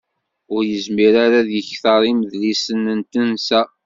Ur yezmir ara ad d-yekter imedlisen n tensa.